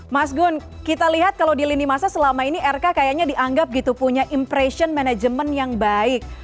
mas gun kita lihat kalau di lini masa selama ini rk kayaknya dianggap gitu punya impression management yang baik